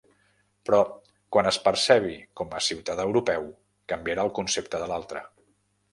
Però quan es percebi com a ciutadà europeu, canviarà el concepte de l'altre.